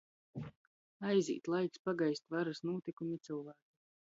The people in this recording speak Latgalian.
Aizīt laiks, pagaist varys, nūtykumi i cylvāki.